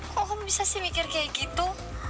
kok om bisa sih mikir kayak gitu